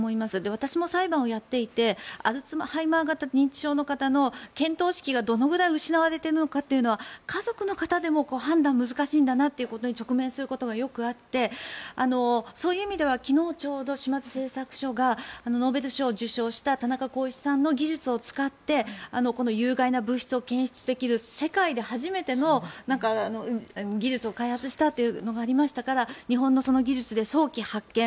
私も裁判をやっていてアルツハイマー型認知症の方の見当識がどのくらい失われているのかというのは家族の方でも判断が難しいんだなということに直面することがよくあって昨日、ちょうど島津製作所がノーベル賞を受賞した田中耕一さんの技術を使って有害な物質を検出できる世界で初めての技術を開発したというのがありましたから日本の技術で早期発見